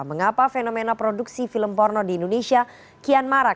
mengapa fenomena produksi film porno di indonesia kian marak